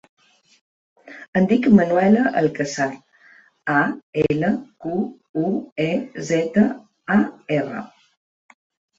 Em dic Manuela Alquezar: a, ela, cu, u, e, zeta, a, erra.